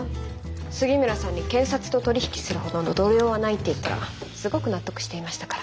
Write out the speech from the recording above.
杉村さんに検察と取り引きするほどの度量はないって言ったらすごく納得していましたから。